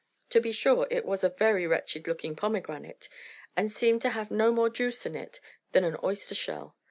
To be sure, it was a very wretched looking pomegranate, and seemed to have no more juice in it than an oyster shell.